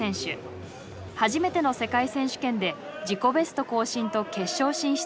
初めての世界選手権で自己ベスト更新と決勝進出を狙います。